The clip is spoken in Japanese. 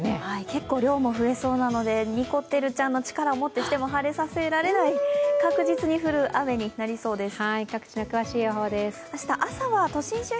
結構、量も増えそうなので、にこてるちゃんの力をもってきても晴れさせられない、確実に降る雨になりそうです。